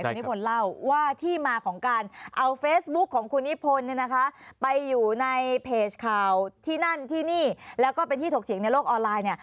คุณนิพนธ์เล่าว่าที่มาของการเอาเฟซบุ๊คของคุณนิพนธ์เนี่ยนะคะไปอยู่ในเพจข่าวที่นั่นที่นี่แล้วก็เป็นที่ถกเถียงในโลกออนไลน์เนี่ย